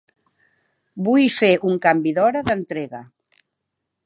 Vull fer un canvi d'hora d'entrega.